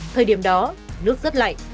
thời điểm đó nước rất lạnh